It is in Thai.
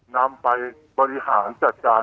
นำไปบริหารจัดการ